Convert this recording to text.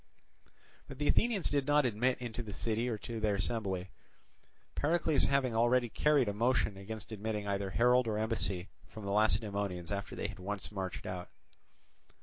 But the Athenians did not admit into the city or to their assembly, Pericles having already carried a motion against admitting either herald or embassy from the Lacedaemonians after they had once marched out.